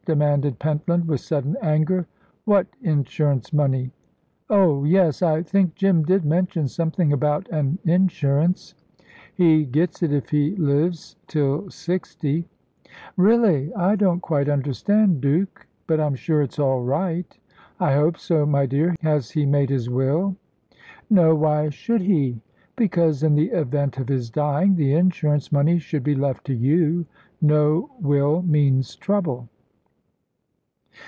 demanded Pentland, with sudden anger. "What insurance money? Oh yes, I think Jim did mention something about an insurance." "He gets it if he lives till sixty." "Really! I don't quite understand, Duke, but I'm sure it's all right." "I hope so, my dear. Has he made his will?" "No. Why should he?" "Because, in the event of his dying, the insurance money should be left to you. No will means trouble."